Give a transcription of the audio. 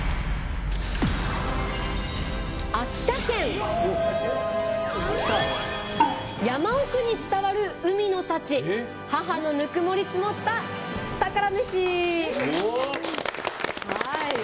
秋田県「山奥に伝わる海の幸母のぬくもり詰まった宝メシ」。